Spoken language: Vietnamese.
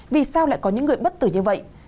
vì sao lại có những người bất tử như vậy